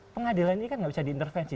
pengadilan ini kan nggak bisa diintervensi